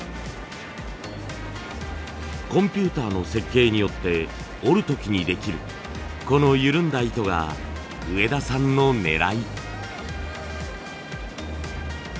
コンピューターの設計によって織る時にできるこの緩んだ糸が上田さんのねらい。